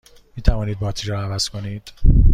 می توانید باتری را عوض کنید؟